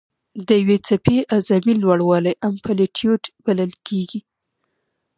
د یوې څپې اعظمي لوړوالی امپلیتیوډ بلل کېږي.